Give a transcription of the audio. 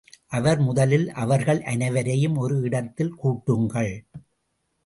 அவர் முதலில் அவர்கள் அனைவரையும் ஒரு இடத்தில் கூட்டுங்கள்.